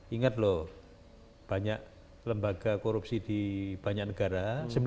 ingat loh banyak lembaga korupsi di banyak negara